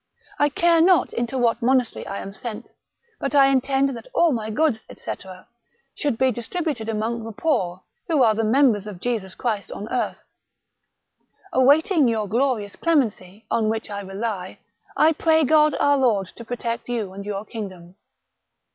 I care not into what monastery I am sent, but I intend that all my goods, &c., should be distributed among the poor, who are the members of Jesus Christ on earth .... Awaiting your glorious clemency, on which I rely, I pray God our Lord to protect you and your kingdom.